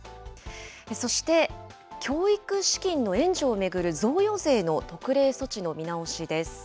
そして、教育資金の援助を巡る贈与税の特例措置の見直しです。